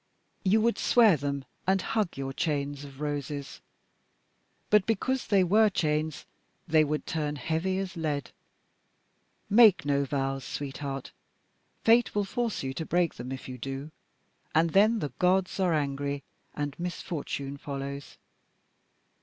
"You would swear them and hug your chains of roses but because they were chains they would turn heavy as lead. Make no vows, sweetheart! Fate will force you to break them if you do, and then the gods are angry and misfortune follows.